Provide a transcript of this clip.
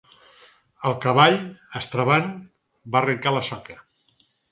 El cavall, estrebant, va arrencar la soca.